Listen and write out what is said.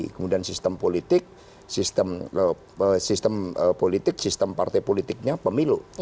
kemudian sistem politik sistem partai politiknya pemilu